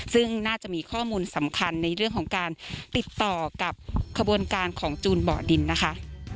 ซึ่งน่าจะมีข้อมูลสำคัญในเรื่องของการติดต่อกับขบวนการของจูนบ่อดินนะคะ